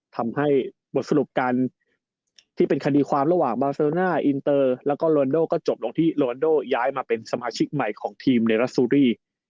ทำให้บทสรุปการที่เป็นคดีความระหว่างบาเซลน่าอินเตอร์แล้วก็โลนโดก็จบลงที่โรนโดย้ายมาเป็นสมาชิกใหม่ของทีมเนรัสซูรี